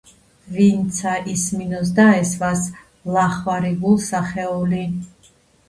ვინცა ისმინოს, დაესვას ლახვარი გულსა ხეული